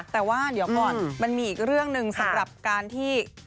แต่ว่าเดี๋ยวก่อนมันมีอีกเรื่องหนึ่งสำหรับการที่